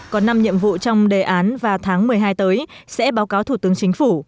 có năm nhiệm vụ trong đề án và tháng một mươi hai tới sẽ báo cáo thủ tướng chính phủ